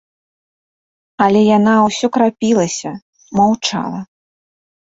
Але яна ўсё крапілася, маўчала.